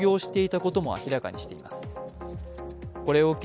これを受け